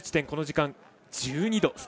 この時間、１２度。